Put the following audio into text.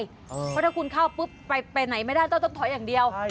เพราะถ้าคุณเข้าปุ๊บไปไหนไม่ได้ต้องถอยอย่างเดียว